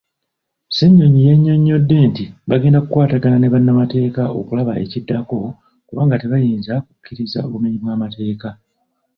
Ssenyonyi yannyonnyodde nti bagenda kukwatagana ne bannamateeka okulaba ekiddako kubanga tebayinza kukkiriza bumenyi bwamateeka.